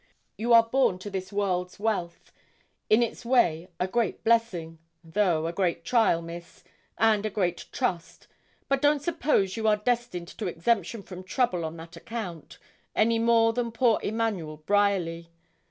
'You are born to this world's wealth; in its way a great blessing, though a great trial, Miss, and a great trust; but don't suppose you are destined to exemption from trouble on that account, any more than poor Emmanuel Bryerly.